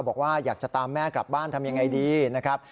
บอกว่าอยากจะตามแม่กลับบ้านทำยังไงดีนะครับ